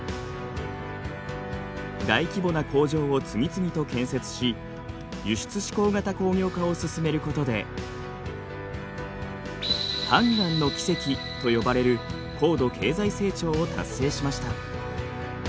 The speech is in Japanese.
大規模な工場を次々と建設し輸出指向型工業化を進めることで。と呼ばれる高度経済成長を達成しました。